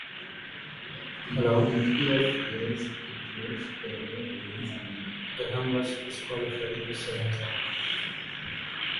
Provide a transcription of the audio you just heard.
Graham was disqualified in the seventh round.